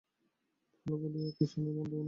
ভাল বলিয়া কিছু নাই, মন্দও নাই।